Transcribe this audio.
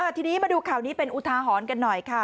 ทีนี้มาดูข่าวนี้เป็นอุทาหรณ์กันหน่อยค่ะ